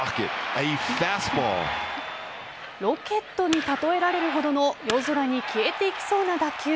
ロケットに例えられるほどの夜空に消えていきそうな打球。